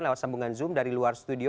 lewat sambungan zoom dari luar studio